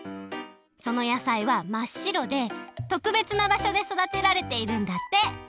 その野菜はまっしろでとくべつな場所でそだてられているんだって。